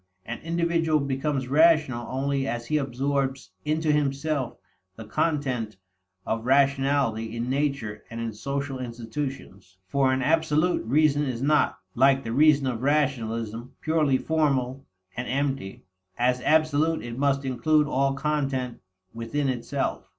An individual becomes rational only as he absorbs into himself the content of rationality in nature and in social institutions. For an absolute reason is not, like the reason of rationalism, purely formal and empty; as absolute it must include all content within itself.